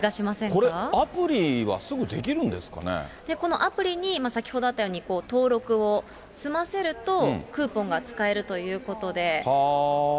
これアプリはすぐできるんでこのアプリに、先ほどあったように、登録を済ませると、クーポンが使えるということで。